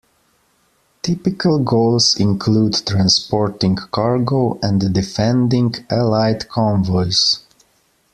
Typical goals include transporting cargo and defending allied convoys.